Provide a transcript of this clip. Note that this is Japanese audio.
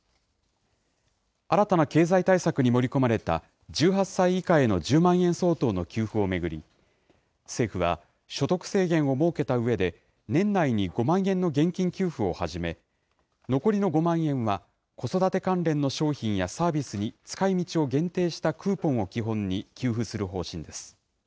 新たな経済対策に盛り込まれた１８歳以下への１０万円相当の給付を巡り、政府は所得制限を設けたうえで、年内に５万円の現金給付をはじめ、残りの５万円は子育て関連の商品やサービスに使いみちを限定したクーポンを基本に給付する方針です。